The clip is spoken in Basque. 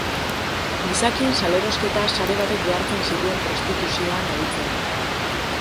Gizakien salerosketa sare batek behartzen zituen prostituzioan aritzera.